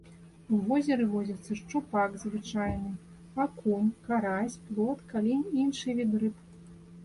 У возеры водзяцца шчупак звычайны, акунь, карась, плотка, лінь і іншыя віды рыб.